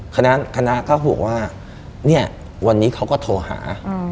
คณะก็บอกว่าเนี่ยวันนี้เขาก็โทรหา